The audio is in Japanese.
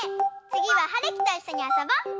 つぎははるきといっしょにあそぼ！